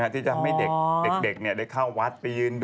ที่จะให้เด็กได้เข้าวัดไปยืน